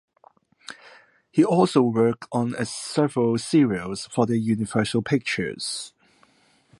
He also worked on several serials for Universal Pictures.